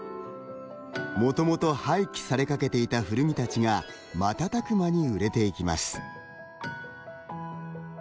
もともと廃棄されかけていた古着たちがまたたく間に売れていきます。